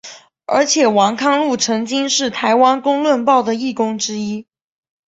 而且王康陆曾经是台湾公论报的义工之一。